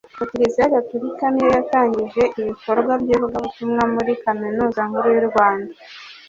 ngo Kiliziya Gatulika niyo yatangije ibikorwa by’ivugabutumwa muri kaminuza nkuru y’u Rwanda